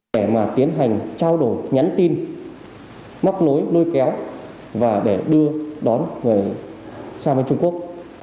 để mà tiến hành trao đổi nhắn tin móc nối lôi kéo và để đưa đón người sang bên trung quốc